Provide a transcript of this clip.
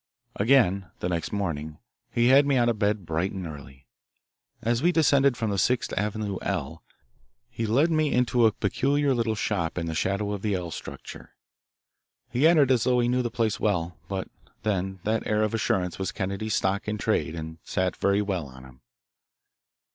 Again, the next morning, he had me out of bed bright and early. As we descended from the Sixth Avenue "L," he led me into a peculiar little shop in the shadow of the "L" structure. He entered as though he knew the place well; but, then, that air of assurance was Kennedy's stock in trade and sat very well on him.